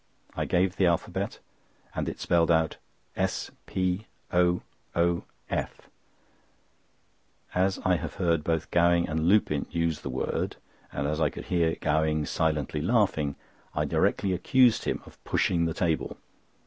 I gave the alphabet, and it spelled out S P O O F. As I have heard both Gowing and Lupin use the word, and as I could hear Gowing silently laughing, I directly accused him of pushing the table.